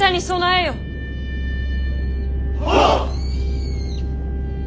はっ！